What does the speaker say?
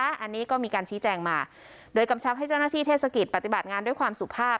อันนี้ก็มีการชี้แจงมาโดยกำชับให้เจ้าหน้าที่เทศกิจปฏิบัติงานด้วยความสุภาพ